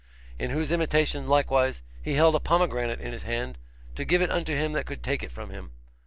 In whose imitation, likewise, he held a pomegranate in his hand, to give it unto him that could take it from him.